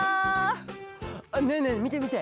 ねえねえみてみて！